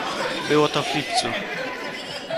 "Było to w lipcu."